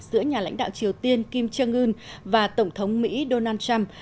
giữa nhà lãnh đạo triều tiên kim jong un và tổng thống mỹ donald trump